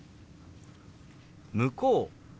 「向こう」。